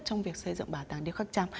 trong việc xây dựng bảo tàng điêu khắc trăm